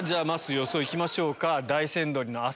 ー予想行きましょうか。